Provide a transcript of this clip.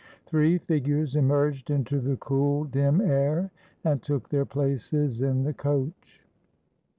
Three figures emerged into the cool dim air and took their places in the coach.